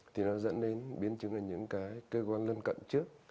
thì nó dẫn đến biến chứng ở những cái cơ quan lân cận trước